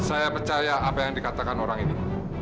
saya percaya apa yang dikatakan orang ini